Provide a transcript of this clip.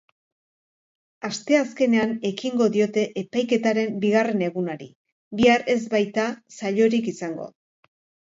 Asteazkenean ekingo diote epaiketaren bigarren egunari, bihar ez baita saiorik izango.